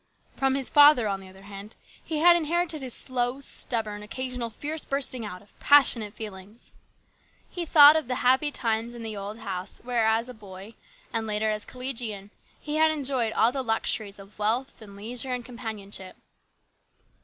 From his father, on the other hand, he had inherited his slow, stubborn, occasional fierce bursting out of passionate feelings. He thought of the happy times in the old house where as boy, and later as collegian, he had enjoyed all the luxuries of wealth and leisure and companionship.